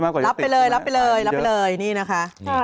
อ้าวคุณแม่ถามรอเลยค่ะ